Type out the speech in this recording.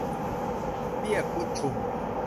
เบี้ยกุดชุม